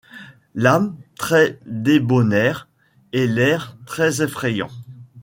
L'âme très débonnaire et l'air très effrayant ;